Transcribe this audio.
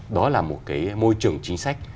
đó là một môi trường chính sách